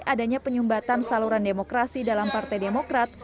adanya penyumbatan saluran demokrasi dalam partai demokrat